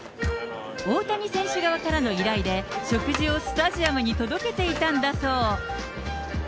大谷選手側からの依頼で、食事をスタジアムに届けていたんだそう。